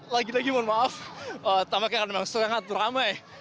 lagi lagi mohon maaf tampaknya karena memang sangat ramai